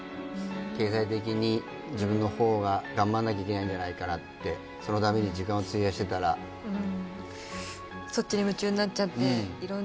経済的に自分の方が頑張んなきゃいけないんじゃないかなってそのために時間を費やしてたらうん